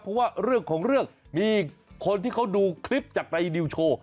เพราะว่าเรื่องของเรื่องมีคนที่เขาดูคลิปจากในนิวโชว์